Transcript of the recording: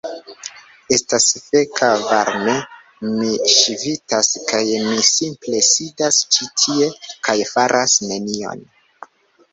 Estas feka varme. Mi ŝvitas kaj mi simple sidas ĉi tie kaj faras nenion.